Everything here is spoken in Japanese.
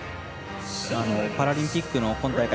パラリンピックの今大会